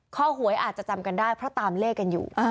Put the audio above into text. หวยอาจจะจำกันได้เพราะตามเลขกันอยู่